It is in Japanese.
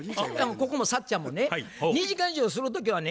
ここもサッちゃんもね「２時間以上する時はね